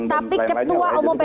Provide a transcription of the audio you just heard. oke tapi ketua umum pbn